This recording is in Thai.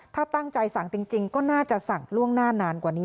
ถ้าตั้งใจสั่งจริงก็น่าจะสั่งล่วงหน้านานกว่านี้